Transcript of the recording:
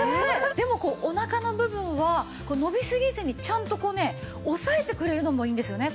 でもこうお腹の部分は伸びすぎずにちゃんとこうね押さえてくれるのもいいんですよね。